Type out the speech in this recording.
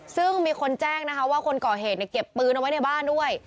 ซึ่งมีคนแจ้งนะคะว่าคนก่อเหตุเก็บปืนเอาไว้ในบ้านด้วย